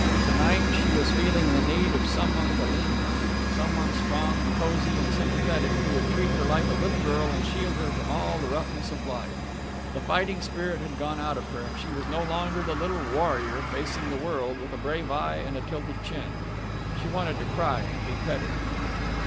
To night she was feeling the need of some one to lean on some one strong and cosy and sympathetic who would treat her like a little girl and shield her from all the roughness of life. The fighting spirit had gone out of her, and she was no longer the little warrior facing the world with a brave eye and a tilted chin. She wanted to cry and be petted.